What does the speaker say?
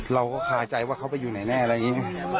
เราก็คาใจว่าเขาไปอยู่ไหนแน่อะไรอย่างนี้